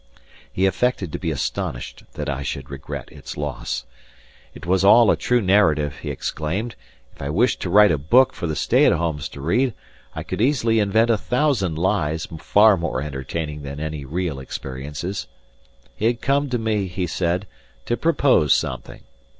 He affected to be astonished that I should regret its loss. It was all a true narrative, he exclaimed; if I wished to write a book for the stay at homes to read, I could easily invent a thousand lies far more entertaining than any real experiences. He had come to me, he said, to propose something.